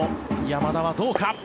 山田はどうか。